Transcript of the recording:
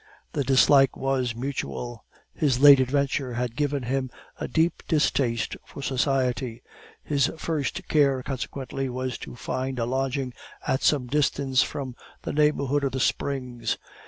The dislike was mutual. His late adventure had given him a deep distaste for society; his first care, consequently, was to find a lodging at some distance from the neighborhood of the springs.